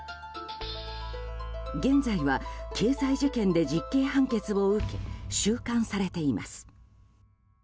現在は経済事件で実刑判決を受け収監されています。